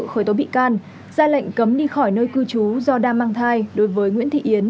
khởi tố bị can ra lệnh cấm đi khỏi nơi cư trú do đang mang thai đối với nguyễn thị yến